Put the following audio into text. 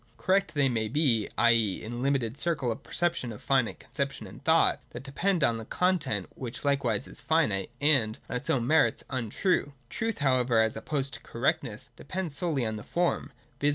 Correct they may be, i.e. in the limited circle of perception, of finite conception and thought : that depends on the content, which likewise is finite, and, on its own merits, untrue. Truth, however, as opposed to correctness, depends solely on the form, viz.